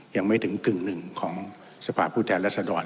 ยังไม่ถึงกึ่งหนึ่งของสภาพผู้แทนรัศดร